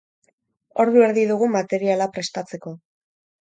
Ordu erdi dugu materiala prestatzeko.